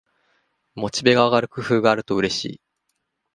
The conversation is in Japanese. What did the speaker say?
モチベが上がる工夫があるとうれしい